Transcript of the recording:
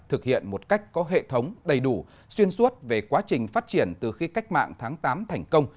thực hiện một cách có hệ thống đầy đủ xuyên suốt về quá trình phát triển từ khi cách mạng tháng tám thành công